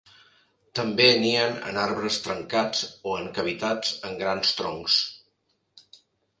També nien en arbres trencats o en cavitats en grans troncs.